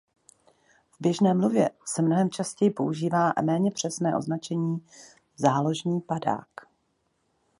V běžné mluvě se mnohem častěji používá méně přesné označení "záložní padák".